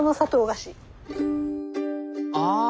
ああ！